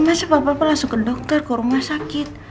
masa pak papa langsung ke dokter ke rumah sakit